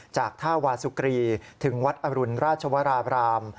จากท่าวาสุกรีถึงวัดอรุณราชวราบราม